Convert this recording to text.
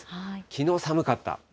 きのう寒かった。